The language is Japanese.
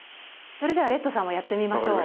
それではレッドさんもやってみましょう。